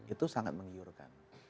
itu sangat menghiurkan